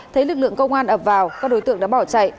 thấy lực lượng công an ập vào các đối tượng đã bỏ chạy